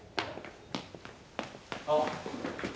あっ。